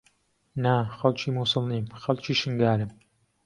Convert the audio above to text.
نا، خەڵکی مووسڵ نیم، خەڵکی شنگالم.